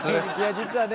実はね